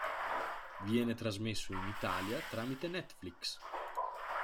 Viene trasmesso in Italia tramite Netflix.